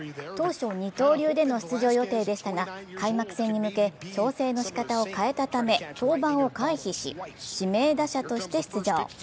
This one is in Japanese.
当初、二刀流との出場予定でしたが開幕戦に向け調整の仕方を変えたため登板を回避し、指名打者として出場。